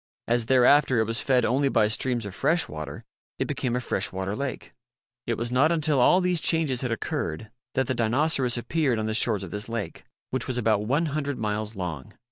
As thereafter it was fed only by streams of fresh water, it became a fresh water lake. It was not until all these changes had occurred that the Dinoceras appeared on the shores of this lake, which was about one hundred miles long.